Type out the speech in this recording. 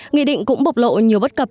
nghị định cũng bộc lộ nhiều bất cập